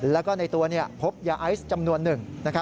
แล้วก็ในตัวพบยาไอซ์จำนวนหนึ่ง